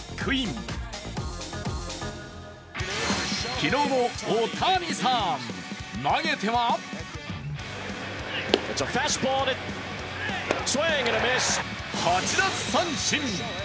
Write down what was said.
昨日のオオタニサーン、投げては８奪三振。